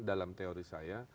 dalam teori saya